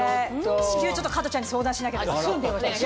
至急ちょっと加トちゃんに相談しなきゃ。